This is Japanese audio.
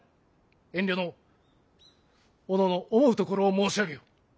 遠慮のうおのおの思うところを申し上げよ。